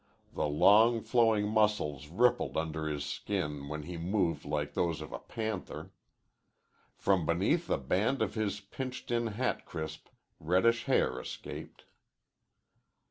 The long, flowing muscles rippled under his skin when he moved like those of a panther. From beneath the band of his pinched in hat crisp, reddish hair escaped.